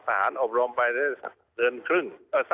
ทหารอบรมไปเดือนครึ่ง